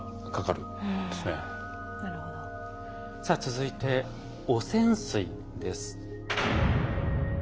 さあ続いて汚染水です。